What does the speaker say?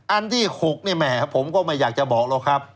อันที่๖เนี่ยแหมผมก็ไม่อยากจะบอกหรอกครับ